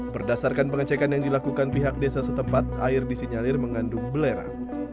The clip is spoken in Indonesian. berdasarkan pengecekan yang dilakukan pihak desa setempat air disinyalir mengandung belera